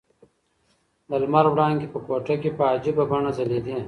د لمر وړانګې په کوټه کې په عجیبه بڼه ځلېدې.